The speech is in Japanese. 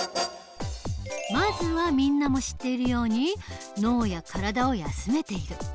まずはみんなも知っているように脳や体を休めている。